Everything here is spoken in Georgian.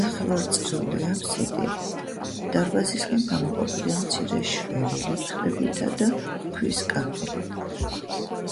ნახევარწრიული აფსიდი დარბაზისგან გამოყოფილია მცირე შვერილი მხრებითა და ქვის კანკელით.